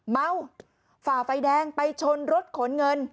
เมาฝ่าไฟแดงไปชนรถขนเงิน